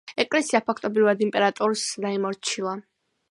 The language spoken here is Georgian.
ეკლესია ფაქტობრივად იმპერატორს დაემორჩილა.